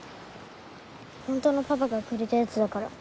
本当のパパがくれたやつだから。